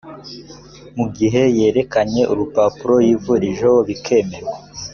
mu gihe yerekanye urupapuro yivurijeho bikemerwa